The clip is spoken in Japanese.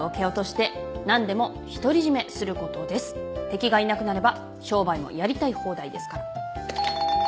敵がいなくなれば商売もやりたい放題ですから。